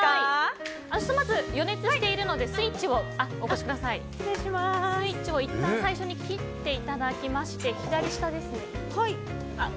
予熱しているのでスイッチをいったん最初に切っていただきまして。